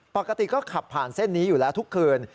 ปกติก็ขับผ่านเส้นนี้อยู่แล้วทุกคืน